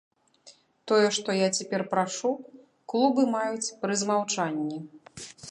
Тое, што я цяпер прашу, клубы маюць па змаўчанні.